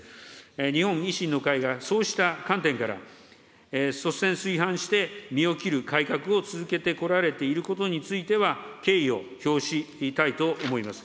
日本維新の会がそうした観点から、率先垂範して身を切る改革を続けてこられていることについては、敬意を表したいと思います。